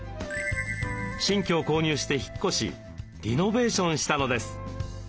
新居を購入して引っ越しリノベーションしたのです。